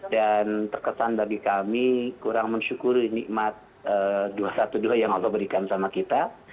dan bagi kami kurang mensyukuri nikmat dua ratus dua belas yang allah berikan sama kita